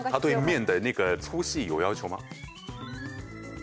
え？